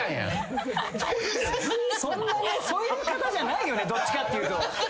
そういう方じゃないよねどっちかっていうと。